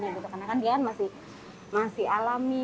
karena kan dia kan masih alami